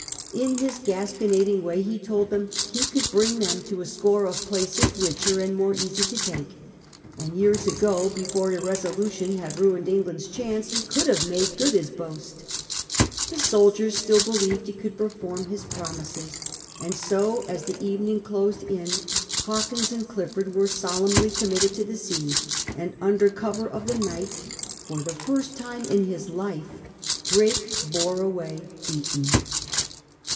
In his gasconading way he told them he could bring them to a score of places richer and more easy to take, and years ago before irresolution had ruined England's chance he could have made good his boast The soldiers still beUeved he could perform his promises. And so as the evening closed in Hawkins and Clifford were solemnly committed to the sea, and under cover of the night, for the first time in his life, Drake bore away beaten.